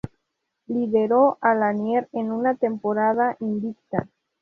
Lideró a Lanier a una temporada invicta.